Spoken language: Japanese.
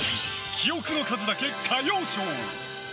記憶の数だけ歌謡ショー。